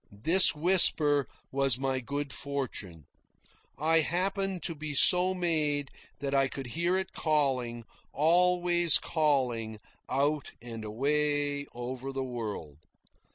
This whisper was my good fortune. I happened to be so made that I could hear it calling, always calling, out and away over the world.